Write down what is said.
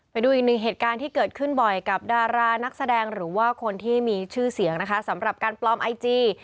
ไปดูอีกหนึ่งเหตุการณ์ที่เกิดขึ้นบ่อยกับดารานักแสดงหรือว่าคนที่มีชื่อเสียงนะคะสำหรับการปลอมไอจี